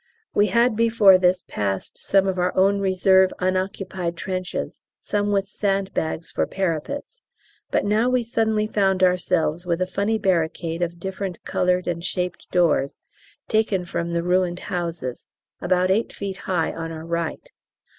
We had before this passed some of our own reserve unoccupied trenches, some with sandbags for parapets, but now we suddenly found ourselves with a funny barricade of different coloured and shaped doors, taken from the ruined houses, about 8 feet high on our right.